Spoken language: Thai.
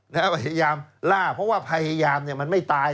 พยายามล่าเพราะว่าพยายามมันไม่ตาย